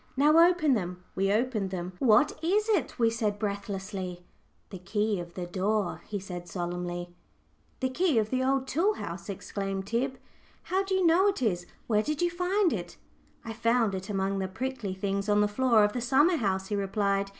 "Now open them;" we opened them. "What is it?" we said, breathlessly. "The key of the door!" he said, solemnly. "The key of the tool house!" exclaimed Tib. "How do you know it is it? Where did you find it?" "I found it among the prickly things on the floor of the summer house," he replied.